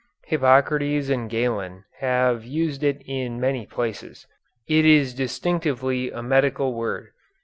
Hippocrates and Galen have used it in many places. It is distinctively a medical word.